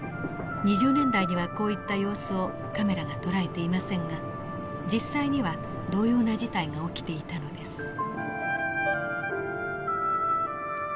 ２０年代にはこういった様子をカメラがとらえていませんが実際には同様な事態が起きていたのです。